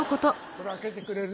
これ開けてくれる？